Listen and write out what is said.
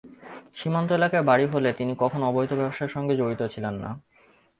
সীমান্ত এলাকায় বাড়ি হলেও তিনি কখনো অবৈধ ব্যবসার সঙ্গে জড়িত ছিলেন না।